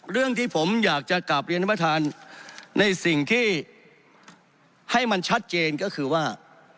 เรื่องที่ผมอยากจะกลับเรียนท่านประธานในสิ่งที่ให้มันชัดเจนก็คือว่า